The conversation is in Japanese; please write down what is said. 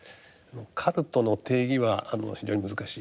カルトの定義は非常に難しいと。